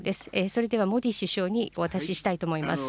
それではモディ首相にお渡ししたいと思います。